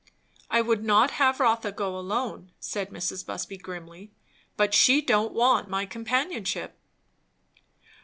"I would not have Rotha go alone," said Mrs. Busby grimly; "but she don't want my companionship."